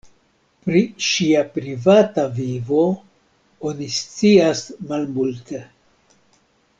Pri ŝia privata vivo oni scias malmulte.